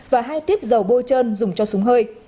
và hai tiếp dầu bôi trơn dùng cho súng hơi